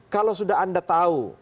kalau sudah anda tahu